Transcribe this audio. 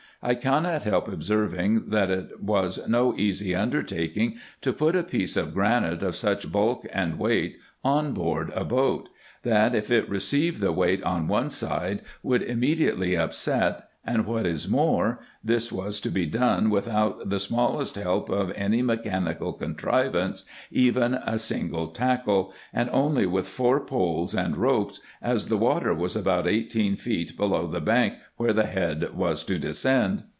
I cannot help observing, that it was no easy undertaking to put a piece of granite, of such bulk and weight, on board a boat, that, if it received the weight on one side, would immediately upset ; and, what is more, this was to be done without the smallest help of any me s 2 132 RESEARCHES AND OPERATIONS chanical contrivance, even a single tackle, and only with four poles and ropes, as the water was about eighteen feet below the bank where the head was to descend.